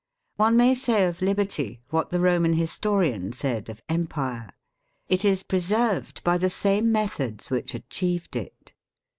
One may say of Liberty what the Roman historian said of Empire :" It is pre served by the same methods which achieved it